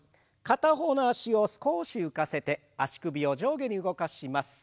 片方の脚を少し浮かせて足首を上下に動かします。